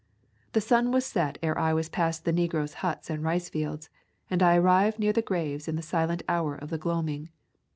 The sun was set ere I was past the negroes' huts and rice fields, and I arrived near the graves in the silent hour of the gloaming.